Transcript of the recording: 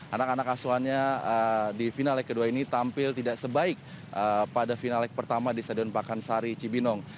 anak anak asuhannya di final leg kedua ini tampil tidak sebaik pada final leg pertama di stadion pakansari cibinong